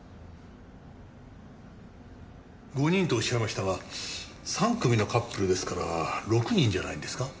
５人とおっしゃいましたが３組のカップルですから６人じゃないんですか？